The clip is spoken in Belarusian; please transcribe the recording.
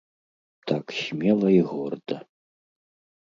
Так смела і горда.